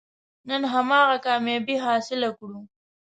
نن هماغه کامیابي حاصله کړو.